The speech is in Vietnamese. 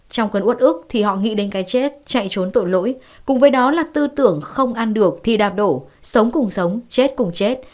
trong cơn út ức thì họ nghĩ đến cái chết chạy trốn tội lỗi cùng với đó là tư tưởng không ăn được thì đạp đổ sống cùng sống chết cùng chết